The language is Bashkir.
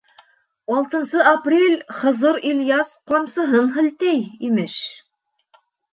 Алтынсы апрель Хызыр Ильяс ҡамсыһын һелтәй, имеш.